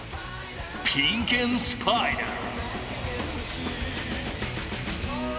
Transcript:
ピンク＆スパイダー。